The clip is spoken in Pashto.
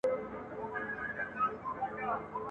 زه تر هر چا در نیژدې یم نور باقي جهان ته شا که !.